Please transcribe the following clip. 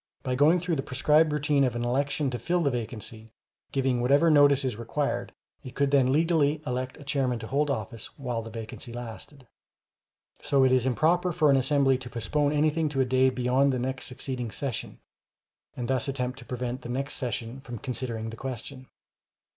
By going through the prescribed routine of an election to fill the vacancy, giving whatever notice is required, it could then legally elect a chairman to hold office while the vacancy lasted. So it is improper for an assembly to postpone anything to a day beyond the next succeeding session, and thus attempt to prevent the next session from considering the question.